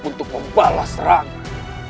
untuk membalas rangka